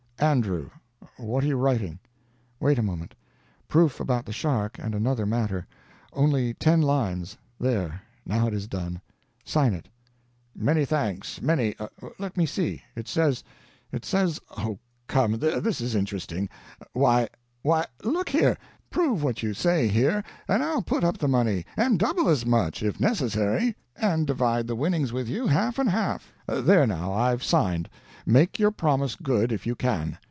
"Andrew. What are you writing?" "Wait a moment. Proof about the shark and another matter. Only ten lines. There now it is done. Sign it." "Many thanks many. Let me see; it says it says oh, come, this is interesting! Why why look here! prove what you say here, and I'll put up the money, and double as much, if necessary, and divide the winnings with you, half and half. There, now I've signed; make your promise good if you can.